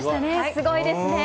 すごいですね。